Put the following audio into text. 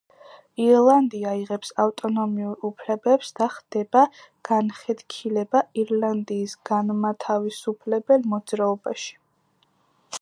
ირლანდია იღებს ავტონომიურ უფლებებს და ხდება განხეთქილება ირლანდიის განმათავისუფლებელ მოძრაობაში.